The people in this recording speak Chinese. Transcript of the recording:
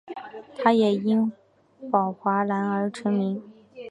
他也因宝华蓝而成名。